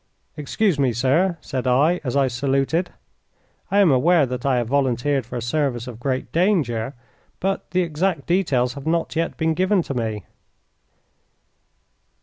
"Excuse me, sir," said I, as I saluted, "I am aware that I have volunteered for a service of great danger, but the exact details have not yet been given to me."